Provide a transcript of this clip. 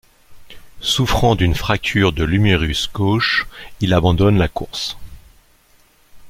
Souffrant d'une fracture de l'humérus gauche, il abandonne la course.